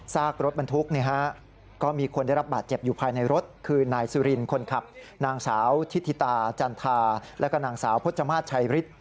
รถบรรทุกก็มีคนได้รับบาดเจ็บอยู่ภายในรถคือนายสุรินคนขับนางสาวทิธิตาจันทาแล้วก็นางสาวพจมาสชัยฤทธิ์